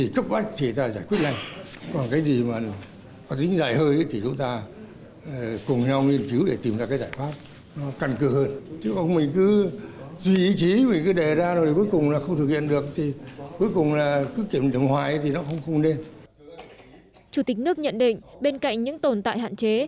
chủ tịch nước nhận định bên cạnh những tồn tại hạn chế